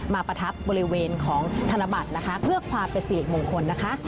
ประทับบริเวณของธนบัตรนะคะเพื่อความเป็นสิริมงคลนะคะ